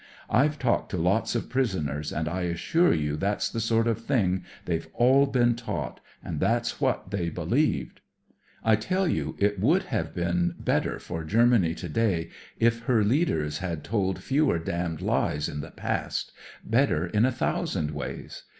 I've talked to lots of prisoners, and I assure you that's the sort of thing they've all been taught, and that's what they beheved. " I tell you, it would have been better THE MORAL OF THE BOCHE 45 for Germany to day if her leaders had told fewer damned lies in the past ; better in a thousand ways.